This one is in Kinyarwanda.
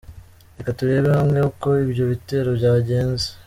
Reka turebere hamwe uko ibyo bitero byagenze :.